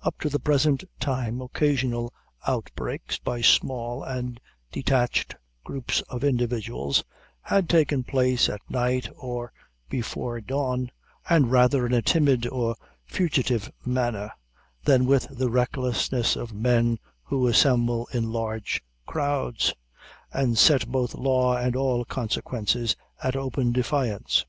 Up to the present time occasional outbreaks, by small and detached groups of individuals, had taken place at night or before dawn, and rather in a timid or fugitive manner, than with the recklessness of men who assemble in large crowds, and set both law and all consequences at open defiance.